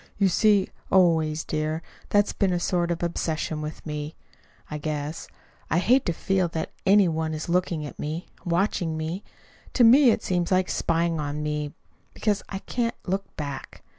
You see, always, dear, that's been a sort of obsession with me, I guess. I hate to feel that any one is looking at me watching me. To me it seems like spying on me because I I can't look back.